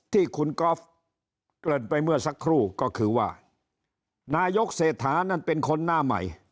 ที่คุณก๊อฟเกริ่นไปเมื่อสักครู่ก็คือว่านายกเศรษฐานั่นเป็นคนหน้าใหม่